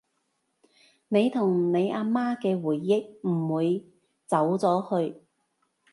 你同你阿媽嘅回憶唔會走咗去